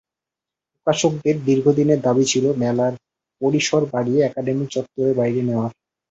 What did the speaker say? প্রকাশকদের দীর্ঘদিনের দাবি ছিল মেলার পরিসর বাড়িয়ে একাডেমি চত্বরের বাইরে নেওয়ার।